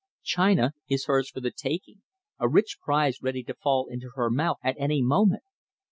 China is hers for the taking, a rich prize ready to fall into her mouth at any moment.